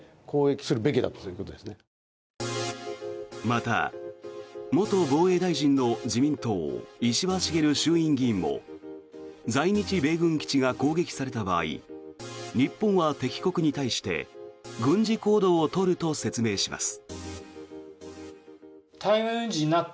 また、元防衛大臣の自民党、石破茂衆院議員も在日米軍基地が攻撃された場合日本は敵国に対して軍事行動を取ると説明します。